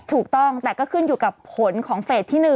ถูกต้องแต่ก็ขึ้นอยู่กับผลของเฟสที่๑